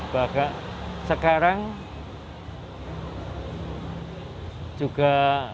bahkan sekarang juga